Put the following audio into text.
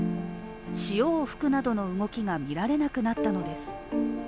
潮を噴くなどの動きが見られなくなったのです。